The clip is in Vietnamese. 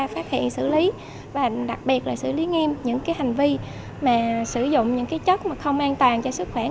phát hiện xử lý và đặc biệt là xử lý nghiêm những hành vi mà sử dụng những chất mà không an toàn cho sức khỏe